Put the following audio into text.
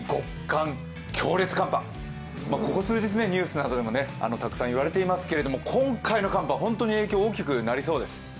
ここ数日、ニュースなどでもたくさん言われていますけれども今回の寒波は本当に影響が大きくなりそうです。